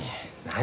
何？